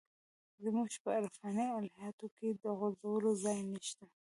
زموږ په عرفاني الهیاتو کې د ځورولو ځای نشته.